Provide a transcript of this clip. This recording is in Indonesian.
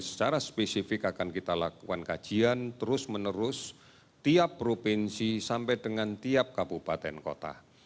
secara spesifik akan kita lakukan kajian terus menerus tiap provinsi sampai dengan tiap kabupaten kota